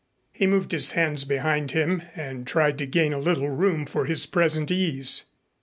He moved his hands behind him and tried to gain a little room for his present ease.